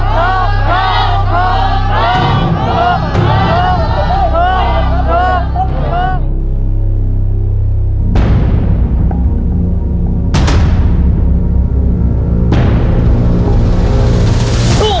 เถอะเถอะเถอะเถอะ